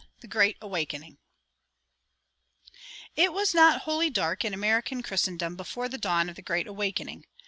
THE GREAT AWAKENING It was not wholly dark in American Christendom before the dawn of the Great Awakening.